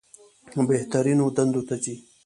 بهترینو دندو ته ځي.